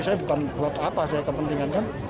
saya bukan buat apa saya kepentingan kan